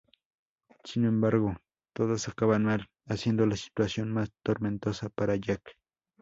Sin embargo, todas acaban mal, haciendo la situación más tormentosa para Jack.